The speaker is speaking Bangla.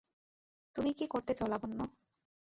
তুমি কী করতে চাও, লাবণ্য।